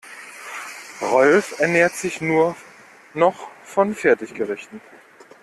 Rolf ernährt sich nur noch von Fertiggerichten.